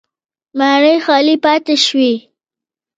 ماڼۍ خالي پاتې شوې